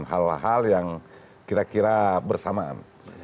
hal hal yang kira kira bersamaan